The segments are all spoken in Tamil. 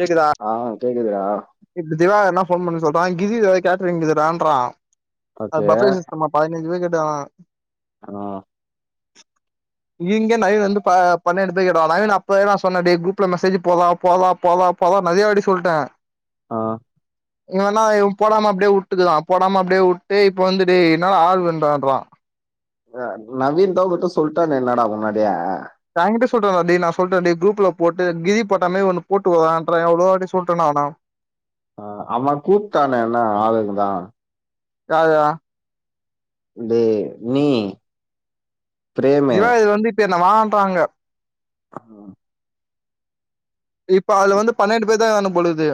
கேக்குதா ஆ கேக்குதுறா இப்ப திவாகர் இன்னா ஃபோன் பண்ணி சொல்றா கிண்டில எதோ கேட்ரிங் கிதுடான்றா ஓகே அத் பஃபே சிஸ்டமா பதினெஞ்சு பேரு கேட்டுக்றாங்ளா அ இங்க நவீன் வந்து ப பன்னெண்டு பேர் கேட்டா நவீன் அப்பவே நா சொன்ன டேய் குரூப்புல மெசேஜு போட்றா போட்றா போட்றா ப்பா அதா நறிய வாட்டி சொல்ட்டே ஆ இவனா இவ் போடாம அப்டியே உட்டுக்குதா போடாம அப்டியே உட் டு இப்ப வந்து டேய் இன்னாடா ஆள் வேணுடான்றா ஆ நவீனதா உங்கிட்ட சொல்ட்டானே இன்னடா முன்னாடியே எங்கிட்ட சொல்றானா டேய் நா சொல்றே டேய் குரூப்புல போட்டு கிரி போட்டா மாரி ஒன்னு போட்டுவுட்றான்ற எவ்ளோ வாட்டி சொல்றே நா நா அ அவே கூப்டானே இன்னா ஆளுங்கதா யாரு டேய் நீ பிரேமு திவாகர் வந்து இப்ப என்ன வான்றா அங்க ஆ இப்ப அதுல வந்து பண்ணென்டுபேர் தா வேணும்போலக்கிது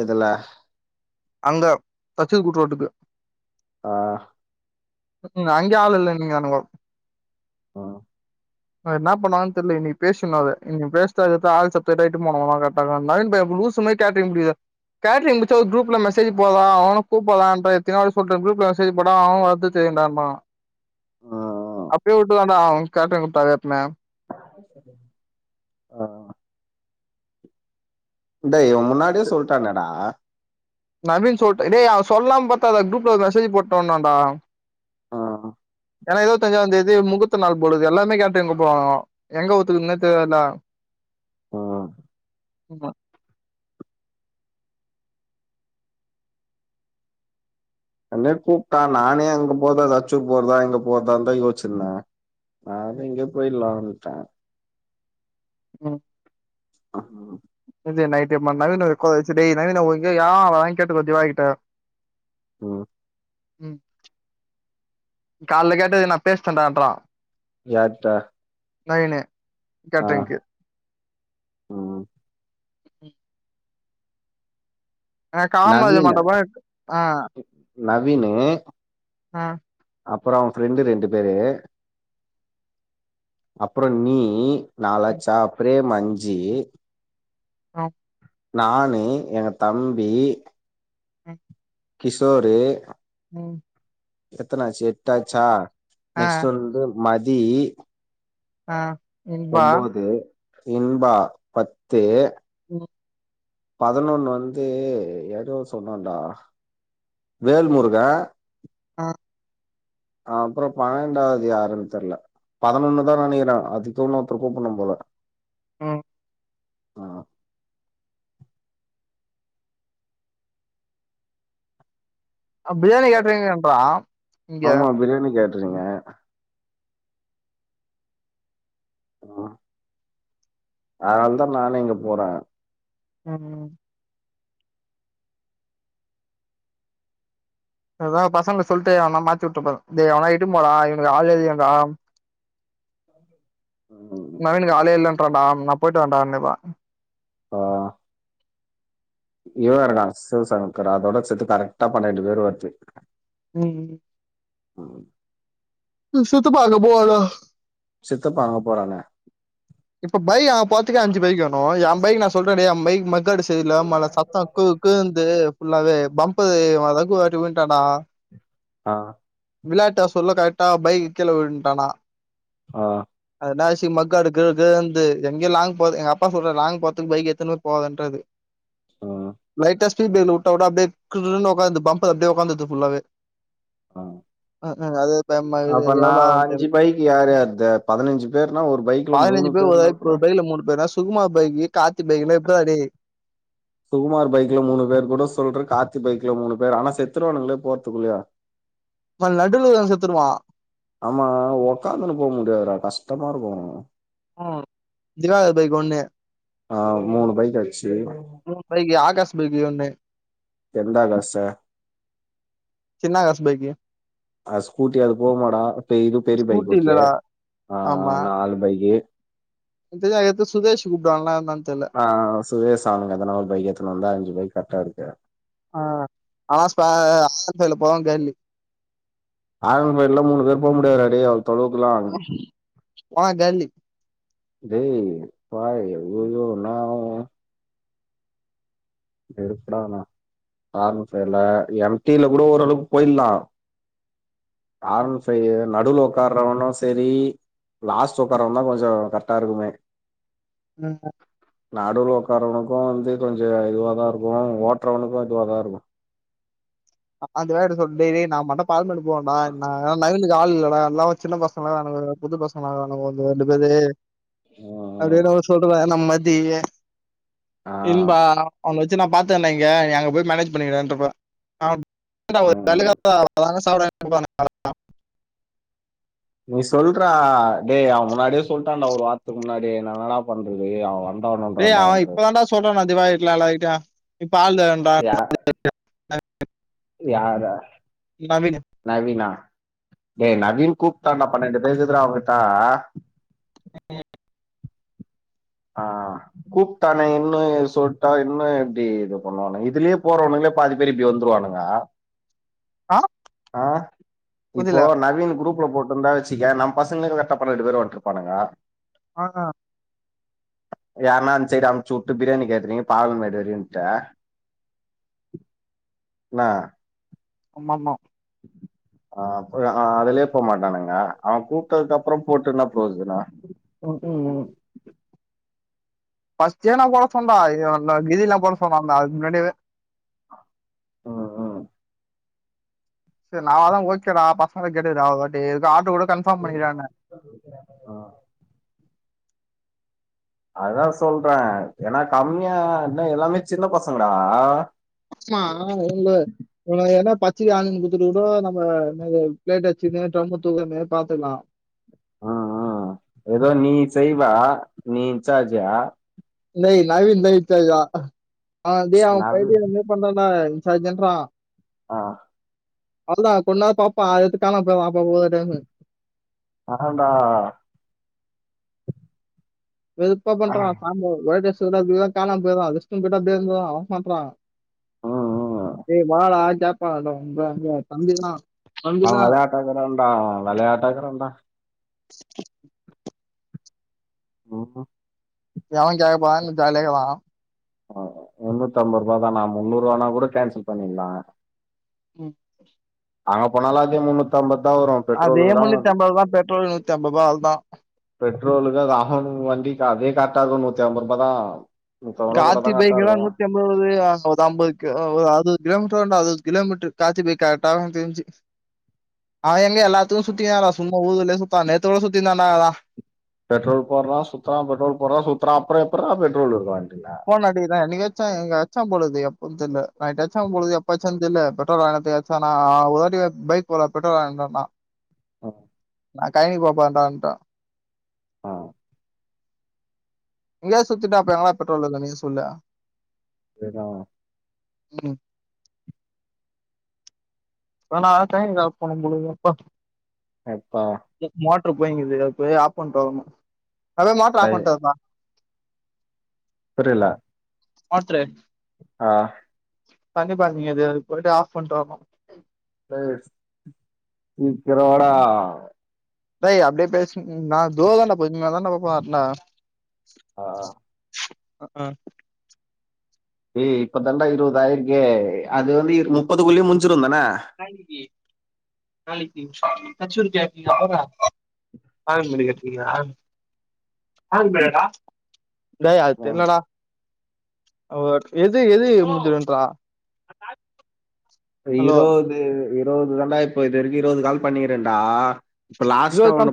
எதுல அங்க தச்சது கூட்ரோட்டுக்கு ஆ ம்க்ம் அங்கியே ஆள் இல்லன்னுகிறானுங்கோ ஆ அது இன்னா பண்ணுவாங்கன் தெர்ல இன்னிக் பேசணு அத இன்னிக் பேஸ்ட்டு அதுக்கத்து ஆள் சே கேட்தா இட்டுன் போனோ [unintelligible] கர்ட்டா இருக்கு நவின் பைய லூசு மாரி கேட்ரிங் புடிக்கிது கேட்ரிங் புச்சா ஒரு குரூப்புல மெசேஜு போட்றா அவன கூப்பல்லான்ற எத்தினியோவாட்டி சொல்ட்டே குரூப்ல மெசேஜி போட்றா அவவே வர்து தெரியுன்டான்னா அவே ம் அப்பியே வுட்டுதாண்டா அவங் கேட்ரிங் கூப்டாவே எப்பிமே ஆ டேய் இவன் முன்னாடியே சொல்டானேடா நவின் சொல்ட்டா டேய் அவ சொல்லாம் பாத்தா அத குரூப்ல ஒரு மெசேஜு போட்டான்னான்டா ஆ ஏனா இருவத்தஞ்சாந்தேதி முகூர்த்த நாள் போலது எல்லாமே கேட்ரிங் கூப்டுவானுங்கோ எங்க ஒத்துக்குத்ன்னே தேவெல்ல ஆ ஆ உமா அப்டியே கூப்ட்டா நானே அங்க போகல அ ரச்சூர் போறதா எங்க போறதான்தா யோச்சுட்ருந்தே ம் நான்தா எங்க போய்ட்லானுட்டே ம் ஆ நேத்து நைட்டு ம நவீன் டேய் நவீனங்க வாங்க ஒ கேட்டு ஜீவா கிட்ட ம் ம் கால்ல கேட்டதுக்கு நா பேசிடன்டான்றா யார்ட நவீனு கேட்ரிங்க்கு ம் [unintelligible] இது நவீனு மாட்டப் போனா ஆ நவீனு ஆ அப்பறோ அவன் ஃப்ரெண்டீடு ரெண்டு பேரு அப்பறோ நீ நாலாச்சா ப்ரேம் அஞ்சு ஆ நானு எங்க தம்பி ம் கிஷோரு ம் எத்தன ஆச்சு எட்டாச்சா நெக்ஸ்ட்டு வந்து மதி ஒம்போது இன்பா பத்து உ பதினொன்னு வந்து எதோ சொன்னடா வேல்முருகே ஆ அப்றோ பன்னெண்டாவது யாருன் தெர்ல பதினொன்னுதா நெனைக்கிறே அதுக்கு இன்னொருத்தர் கூப்புடனு போல அ ஆ. அ பிரியாணி கேட்ருக்கேன்றா இங்க பிரியணி கேட் ட்ரிங்க அதுனால தா நானே இங்க போறே ம் ம் அதா பசங்கள்ட்ட சொல்லிட்டு அவன மாத்தி வுட்றபோறே தே எவனா இட்டு போடா இவனுக்கு ஆளே இல்லயான்டா ம். நவீனுக்கு ஆளே இல்லன்றான்டா நா பொயிட்டு வரண்டா கண்டிப்பா ஆ இவ வேறன்டா சிவசங்கர் அதோட சேத்து கரெக்டா பன்னெண்டு பேரு வருத்து ம் ம் ம் ம் அ சுத்து பாக்க போவாத சித்தப்பா அங்க போறாங்க இப்ப பைக் அங்க போறத்துக்கே அஞ்சு பைக் வேணு எ பைக் நா சொல்றே டே எ பைக் மத் மர்க்காடு செரியில்ல [unintelligible] சத்தோ க்கு க்குன்து ஃபுல்லாவே பம்பு ரகு ஒருவாட்டி விழுன்ட்டாண்டா ஆ விளையாட்டா சொல்ல கரெக்டா பைக்கு கீழ விழுன்ட்டானா ஆஹ் அதுதா அசி மக்காடு ககன்ந்து எங்கயு லாங் போது எங்க அப்பா சொல்ற லாங் போறதுக்கு பைக் எத்துனு போகாதன்றாரு உம் லைட்ட்ஸ்ட்டு திடீன்னு உட்டா கூட அப்டியே கிர்ன்னு உக்காருது பம்பர் அப்டியே உக்காந்துருது ஃபுல்லாவே ஆஹ் ம் ம் அது பயமா அப்ப இருக்குது நா எவ்ளோ ஆகும்னு அஞ்சு தெர்ல பைக் யார்யாருது பதினஞ்சு பேருனா ஒரு பைக் பதினஞ்சு பேர் ஒரு ஒரு பைக்ல மூணு பேருனா சுகுமா பைக் கார்த்தி பைக்ல்லா [unintelligible] சுகுமாரு பைக்ல மூணு பேர் கூட சொல்றரு கார்த்தி பைக்ல மூணு பேர் ஆனா செத்துருவானுங்கள போறதுக்குள்ள இப்ப நடுல இருக்கவே செத்துருவா ஆமா உக்காந்துன்னு போ முடியாதுடா கஷ்டமாருக்கு ஹ திவாகரு பைக்கு ஒன்னு ஆஹ் மூணு பைக் ஆச்சு மூண் நாளைக்கு ஆகாசு பைக்கு ஒண்ணு எந்தா காச சின்னா காசு பைக்கு அ ஸ்கூட்டி அது போகுமாடா இது பெரிய பைக்கு ஸ்கூட்டி ஓகே இல்லடா ஆ நாலு பைக்கு திவ்யா எதோ சுதேஷ்னு கூப்டுவாங்களா என்னனு தெர்ல ஆ சுரேஷ் ஆனந்த் எதனா ஒரு பைக்கு எத்தனு வந்தா அஞ்சு பைக் கரெக்டா இருக்கு ஆ அதா ஸ்பே ஆறு பேர்ல போலா கெளம்பி ஆனந்து பைக்லலா மூணு பேரு போக முடியாது டா டேய் தொடுவோம்ல ஆ கேர்லி டேய் பா அய்யய்யோ [unintelligible] கூட வேணா ஆர் ஒன் ஃபைவ்ல்ல எம்ட்டில கூட ஓரளவுக்கு போயிட்லா ஆர் என் பைவ்ல நடுவுல உக்காரவனு சேரி லாஸ்ட்டு உக்காரவெ தா கொஞ்சோ கரெக்டா இருக்குனு ம் நடுல உக்காரவனுக்கு வந்து கொஞ்சோ இதுவா தா இருக்கு ஓட்டுறவனுக்கு இதுவா தா இருக்கு அந்த வேர்ட சொன்னதே நா தா மொத பால்மேடு போவோ டா என்னா நவனுக்கு ஆள் இல்லடா எல்லா சின்ன பச பசங்களா வராங்க புது பசங்களா வரானுங்க ஒரு ரெண்டு பேரு ம் அப்டியே ம் நா [unintelligible] சொல்றேனா நம்மதியே ஆ இன்பா அதுல வச்சு நா பாத்தே இன்னைக்கே அங்க போய் மேனேஜ் பண்ணிக்கோடான்றுப்பே [inaudible] ம் ம் சாப்ட வாங்கி வந்துருப்பாரு நீ சொல்றா டே அவ முன்னாடியே சொல்ட்டான்டா ஒரு வாரத்துக்கு முன்னாடியே நா என்னடா பண்றது அவே வ டேய் அவ இப்ப தான்டா சொல்றோ திவாகர்ட்ட எல்லார்கிட்டயு இப்ப ஆள் தே யா யார நவீனு நவீனா ஏ நவீனு கூப்ட்டான்டா பன்னெண்டு [unintelligible] அவன்ட்ட உ ஆ கூப்ட்டானுங்கனு சொல்ட்டா என்ன இப்டி இது பண்ணுவானு இதுலயே போறவனுங்ல்லே பாதி பேரு இப்டி வந்துருவானுங்க ஆஹ் ஆ இப்போ நவீன் குரூப்ல போட்டுருந்தா வெச் சிக்கே நம் பசங்களுக்கு இருகட் அப் ரெண்டு போரு வந்துட்ருப்பானுங்க ஆ ஆ யாருன்னா அந்த சைய்டு அமுச்சு உட்டு பிரியாணி கேட்றீங்க பாலு [unintelligible] நா ஆமாமா அ அப்பு அ அதுலயே போமாட்டானுங்க அவ கூப்புட்டதுக்கு அப்புறம் போட்டு என்ன பிரியோஜனோ ம் ம் ம் பஸ்டே நா ஒழச்சவந்தா இது என்ன இது எல்லாம் போட சொன்னான்ல அதுக்கு முன்னாடியாவே ம் ம் சேர் நா தா ஓகேடா பசங்க கேட்டுகடா ஒருவாட்டி எதுக்கு ஆட்டோ கூட கன்பாம் பண்ணிக்கிரியான ஆ அதா சொல்ற ஏனா கம்மியா என்ன எல்லாமே சின்ன பசங்கடா ஆமா உண்டு இவனுங்க என்ன பச்சுக்கு ஆளுங்களுக்கு குடுத்துட்டு கூட நம்ம என்னது பிளேட் வெச்சுமே டம்மு தூக்குற மாரி பாத்துக்கலா ஆ ஆ எதோ நீ செய்வா நீ இன்சார்ஷா இல்லே நவீன் [unintelligible] ஆ டேய் அவ நவி பையித்தியகார மாரி பண்றான்டா இன்ஜார்சுன்றா ஆ அதுதா கொஞ் நேர் பாப்பா எத்துக்கான போய்ரா அப்பா போத டைம்மு அதாண்டா வெருப்பா பண்றா சாம்பார் ஒயிட் ரைஸ் எடுக்குறகுல்ல கான போயிரா ரெஸ்ட்ரூம் போயிட்டு அப்டியே இருந்துர்றா ஏமாத்துறா ம் ம் ஏய் வாழா ஜேப்பா உங்க அங்க தம்பி தா அவ வெளையாட்டா இருக்குறாண்டா வெளையாட்டா இருக்குறாண்டா ம் எவ கேக்க போறானு ஜாலியா இருக்குறா ஆ முண்ணூத்து ஐம்பருவாதானா முன்னூறூவானா கூட கேன்சல் பண்ணிர்லா ம் அங்க போனாலு அதே முன்னூத் த்து அம்பதா வரு அதே பெட்ரோலுக்கு தா முன்னூத்தி வருது. ஐம்பதுதா பெட்ரோல் நூத்தி ஐம்பதுருவா அவ்ளோதா பெட்ரோலுக்கு அது அமோண்டுக்கு வண்டிக்கு அதே கரெக்டா இருக்கு நூத்தி ஐம்பது ரூபா தா நூத்தி ஐம்பது ரூபா போட்டா காத்தி தா கரெக்டா பைக்கி எல்லா இருக்கு நூத்தி அம் நூறு அம்பதுக்கு அ ஒரு அறுவது கிலோமீட்டர் வருன்டா அறுவது கிலோமீட்டரு காத்தி பைக் கரெட்டாவு எனக்கு தெருஞ்சு அவ எங்க எல்லாத்துக்கு சுத்தியால்லா சும்மா ஊர்லே சுத்தா நேத்து கூட சுத்தினுந்தாதா பெட்ரோல் போடுறா சுத்துறா பெட்ரோல் போடுறா சுத்துறா அப்புறோ எப்றா பெட்ரோல் இருக்கு வண்டில ஃபோன் அடிக்குதா என்னிக்காச்சு எங்க அச்சாம் பொழுது எப்போன் தெர்ல நைட்டு அச்சாம் போல இருக்குது எப்ப அச்சான் தெர்ல பெட்ரோல் வாங்குனதுக் ச்சானா [unintelligible] பைக் போல பெட்ரோல் வாங்குனார்னா ஆ நா கைனி போ போறன்டான்டா ஆ, எங்கயாவது சுத்துட்டா அப்ப எங்கனா பெட்ரோல் இருக்கு நீ சொல்லே சேர்தா ம் அது நா [unintelligible] அப்பா அப்பா மோட்டரு போயினுகிது அதுபோயி ஆப் பண்ணிட்டு வறனும் அதா மோட்ரு ஆஃப் டேய், பண்ட்டு வறனும் புரியில மோட்ரு ஆ தண்ணிப்பாஞ்சிகிது அது போயிட்டு ஆஃப் பண்ட்டு வரனும் ப்ளே கிட்ஸ் ம் சீக்கிரவாடா டேய் அப்டே பேசின் நா தோ தாண்ட பொறுமையா தாண்ட போறன்டா ஆஹ ம் கு ஏய் இப்ப தாண்டா இருவது ஆயிருக்கே அது வந்து முப்பதுக்குள்ளே முஞ்சிருந்தான நாளைக்கு நாளைக்கு கச்சூரி கேக்கிங் அப்பவா ஆன் பண்ணி கத்துக்கிறியா ஆன் பண்ணட்டா டேய் அது ஆமா. தெர்லடா ஓ எது எது முடிஞ்சிடுன்றா இரவது இரவது தாண்டா இப்போ இது வரைக்கும் இரவது கால் பண்ணிகிறண்டா இருவது கால்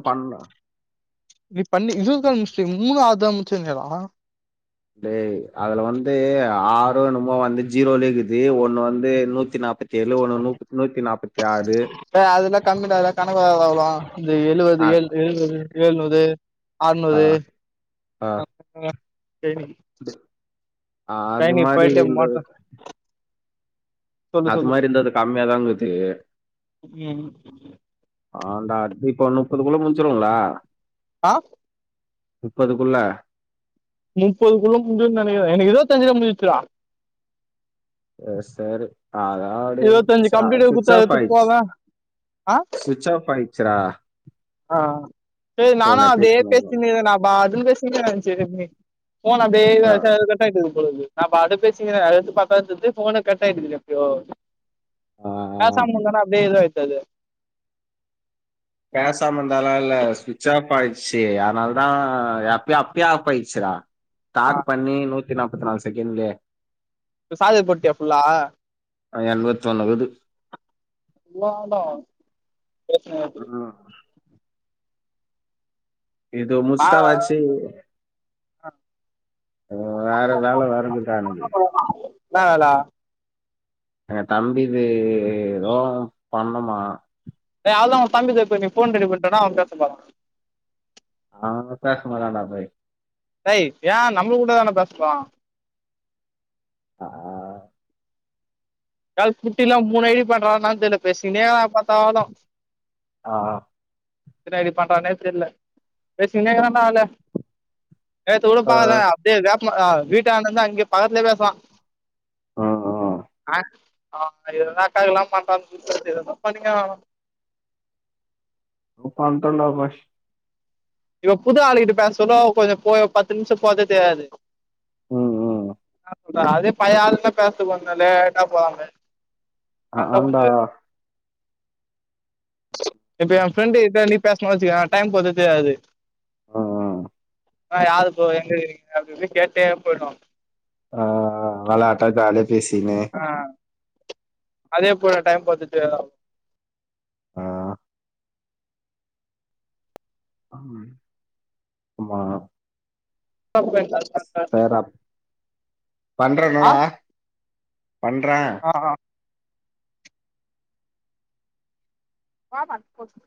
நீ பண்ணி இருவது கால் முஸ்டியா மூனாவதா முடிச்சனேடா டேய் அதுல வந்து ஆறோ என்னமோ வந்து ஜீரோலே இருக்குது ஒண்ணு வந்து நூத்தி நாப்பத் தெர்ல ஒண்ணு ஒண்ணு நூப் நூத்தி நாப்பத்தி ஆறு டே அதுல்லா கம்மிடா அதலா கணக்கு வராதா இந்த எழுவது ஆ, ஏழு எழுவது ஏழுநூரு ஆ, ஆற்நூறு ஆ. அது ட்ரைனிங் மாரி போய்ட்டு இருந்தது மோட்ட அது சொல்லு மாரி இருந்தா அது கம்மியாதாங்கிது ம் ஆண்டா இப்போ நுப்பது போல முடிச்சிருவோ இல்ல ஆ நுப்பதுக்குள்ள முப்பது குள்ள முடிஞ்சிரும் நெனக்கிறேன் எனக்கு இருவத்தஞ்சிலே முடிஞ்சிருச்சிடா செர் செரி ஆதாடு இருபத்தஞ்சு ஸ்ரா கம்ப்யூட்டர் சுவிட்ச் குத்தா ஆப் எடுத்து ஆயிடுச்சி போவேன் ஆ சுவிச் ஆஃப் ஆயிச்சிரா ஆ செரி நானு அப்டே பேசினது பேசிருந்தேன்டா நா பாட்டுனு பேசினுகிற செரி அப்டே ஃபோனு அப்டே ஆ, வச்சனால் கட் கட் ஆயிட்டுகிது போலக்கிது நான் பாட்டுக்கு பேசினுகிரன் எடுத்து பாத்தா தெர்து ஃபோனு கட் ஆயிட்டுகிது எப்பயோ ஆ, பேசாம இருந்தோன அப்டே இதாயிட்டு அது பேசாம இருந்தாலும் இல்ல சுவிட்ச் ஆஃப் ஆயிடுச்சி அதனால தா எப்பயு அப்பயே ஆஃப் ஆயிடுச்சிடா ஆ ஸ்டாட் பண்ணி நூத்தி நாப்பத்தி நாலு செகண்ட்லே இப்ப சார்ஜர் போட்டியா ஃபுல்லா எண்பத்தி ஒண்ணு இது ஃபுல்லா ஆவுண்டா ம் இதோ முஸ்டாலாச்சி எனக்கு வேற வேல வேறகீதுடா எனக்கு என்னா வேல எங்க தம்பிது எதோ பண்ணுமா டேய் அவ்ளோதா ஒன் தம்பி கொஞ்சம் ஃபோன் பண்ணி குடுத்தன அவன் பேச போறான் அவன்லா பேச மாட்டாண்டா எபாய் டேய் ஏன் நம்ம கூடாதான பேச போறா ஆ [unintelligible] மூணு ஐடி பண்றான்னான் தெர்ல பேசின்னே எப்ப பாத்தாளும் ஆ ஆ எத்தன ஐடி பண்றானே தெர்ல பேசிகின்னே இருக்காண்ட ஆளு நேத்து கூட பாக்கே அப்டியே வேப்பமர அ வீட்டாண்ட இருந்து அங்க பக்கத்துலயே பேசுவான் ஆ ஆ அ அவுனுங்க ஏதோ அக்காங்களுக்குலா பண்றங்க போல தெர்து ஏதோதோ பண்ணிங்கிறானுங்கோ எதோ பண்டோடா பாய் இப்ப புது ஆளுகிட்ட பேச சொல்லோ கொஞ்ச போய் பத்து நிமிஷம் போதே தெரியாது ஆ ஆ என்ன அதே பழைய ஆளுங்க பேச போனாலே லேட்டா போவாங்கள் ஆ ஆண்டா இப்ப என் ஃப்ரெண்டு கிட்ட நீ பேசுன வச்சுக்கய டைம் போர்தே தெரியாது அ அ அ யாரு ப்ரோ எங்க இருக்கீங்க அப்டி இப்டி கேட்டே போயிடுவா அ அ விளாட்டா ஜாலியா பேசிக்கினு அ அதே போல டைம் போது தெரியாது அ அம் ஆமா [unintelligible] சேரா பண்றேனடா பண்றேன் ஆ ஆ வாமா [inaudible]